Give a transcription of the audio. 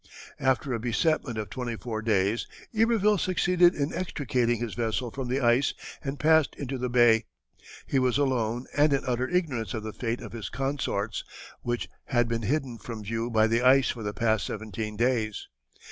After a besetment of twenty four days, Iberville succeeded in extricating his vessel from the ice and passed into the bay. He was alone and in utter ignorance of the fate of his consorts, which had been hidden from view by the ice for the past seventeen days.